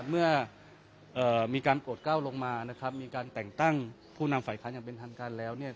เมื่อมีการโปรดก้าวลงมานะครับมีการแต่งตั้งผู้นำฝ่ายค้านอย่างเป็นทางการแล้วเนี่ย